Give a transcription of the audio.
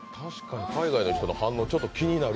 海外の人の反応気になる。